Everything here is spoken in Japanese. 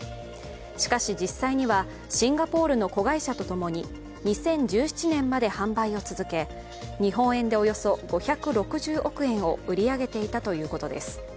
しかし、実際にはシンガポールの子会社とともに２０１７年まで販売を続け、日本円でおよそ５６０億円を売り上げていたということです。